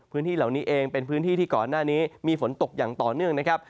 พื้นที่เหล่านี้เองเป็นพื้นที่ที่ก่อนหน้านี้มีฝนตกอย่างต่อเนื่องนะครับ